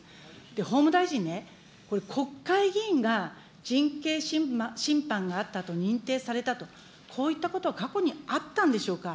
法務大臣ね、これ、国会議員が人権侵犯があったと認定されたと、こういったことは過去にあったんでしょうか。